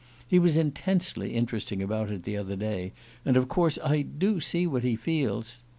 He was intensely interesting about it the other day, and of course I do see what he feels.